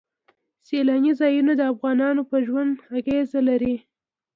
سیلاني ځایونه د افغانانو په ژوند اغېزې لري.